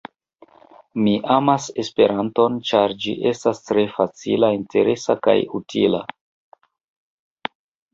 Mi amas Esperanton, ĉar ĝi estas tre facila, interesa kaj utila.